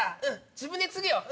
自分でつぐよ。